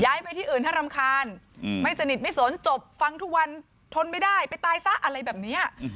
ไปที่อื่นถ้ารำคาญไม่สนิทไม่สนจบฟังทุกวันทนไม่ได้ไปตายซะอะไรแบบนี้